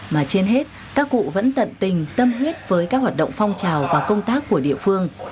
mà trên hết các cụ vẫn tận tình tâm huyết với các hoạt động phong trào và công tác của địa phương